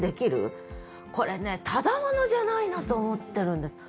これねただ者じゃないなと思ってるんです。